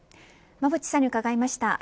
馬渕さんに伺いました。